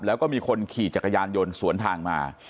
แล้วก็มีคนขี่จักรยานยนต์สวนทางมา